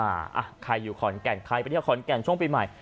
อ่ะใครอยู่ขอนแก่นใครไปเที่ยวขอนแก่นช่วงปีใหม่